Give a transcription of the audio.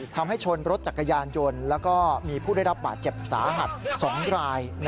ชนรถจักรยานยนต์แล้วก็มีผู้ได้รับบาดเจ็บสาหัส๒ราย